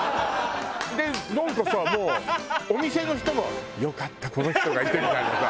でなんかさもうお店の人も「よかったこの人がいて」みたいなさ。